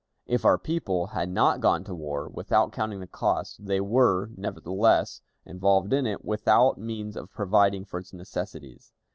If our people had not gone to war without counting the cost, they were, nevertheless, involved in it without means of providing for its necessities.